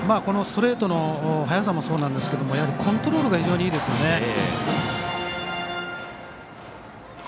このストレートの速さもそうなんですけどもコントロールが非常にいいですよね。